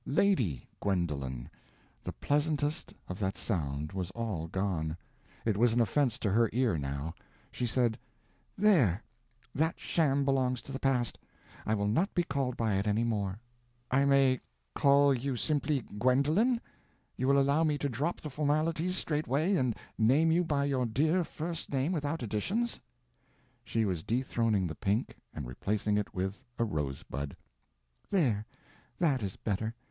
"Lady" Gwendolen! The pleasantness of that sound was all gone; it was an offense to her ear now. She said: "There—that sham belongs to the past; I will not be called by it any more." "I may call you simply Gwendolen? You will allow me to drop the formalities straightway and name you by your dear first name without additions?" She was dethroning the pink and replacing it with a rosebud. "There—that is better.